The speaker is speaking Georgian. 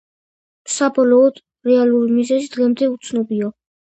საბოლოოდ, რეალური მიზეზი დღემდე უცნობია.